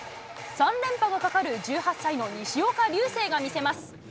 ３連覇のかかる１８歳の西岡隆成が見せます。